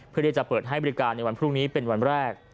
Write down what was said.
เพื่อที่จะเปิดให้บริการในวันพรุ่งนี้เป็นวันแรก